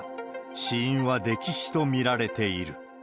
死因は溺死と見られている。